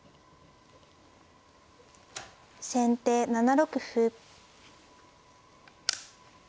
先手７六歩。